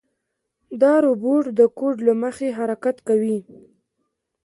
دا روبوټ د کوډ له مخې حرکت کوي.